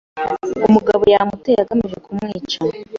Umugabo yamuteye agamije kumwica.